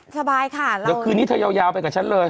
สบายค่ะเดี๋ยวคืนนี้เธอยาวไปกับฉันเลย